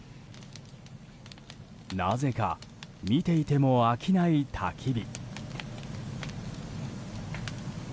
なぜか見ていても飽きないたき火。